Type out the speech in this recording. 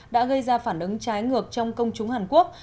đã gây ra phản ứng trái ngược trong công chúng hàn quốc